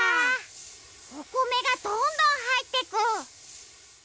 おこめがどんどんはいってく！